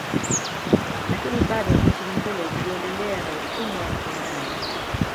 Lakini bado nchi nyingine ziliendelea na utumwa wa ndani